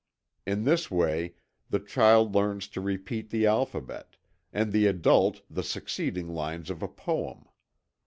In this way the child learns to repeat the alphabet, and the adult the succeeding lines of a poem."